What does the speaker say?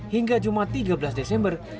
hingga jumat tiga belas desember